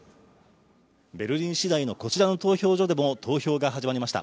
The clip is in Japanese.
ベルリン市内のこちらの投票所でも投票が始まりました。